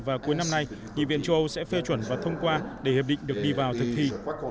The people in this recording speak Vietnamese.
và cuối năm nay nghị viện châu âu sẽ phê chuẩn và thông qua để hiệp định được đi vào thực thi